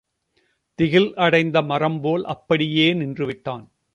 திகில் அடைந்து மரம் போல் அப்படியே நின்று விட்டான்.